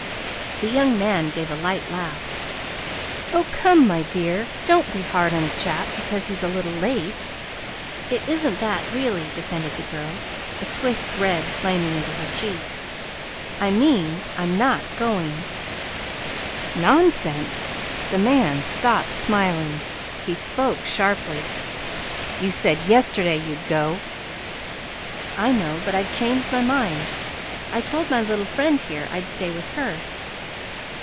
The young man gave a light laugh. "Oh, come, my clear, don't be hard on a chap because he's a little late!" "It isn't that, really," defended the girl, a swift red flaming into her cheeks. "I mean I'm not going." "Nonsense!" The man stopped smiling. He spoke sharply. "You said yesterday you'd go." "I know; but I've changed my mind. I told my little friend here I'd stay with her."